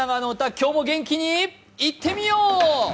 今日も元気にいってみよう！